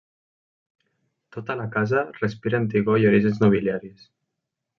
Tota la casa respira antigor i orígens nobiliaris.